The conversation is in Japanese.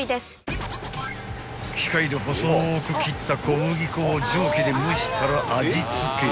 ［機械で細く切った小麦粉を蒸気で蒸したら味付け］